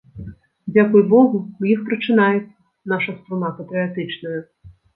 Дзякуй богу, у іх прачынаецца наша струна патрыятычная.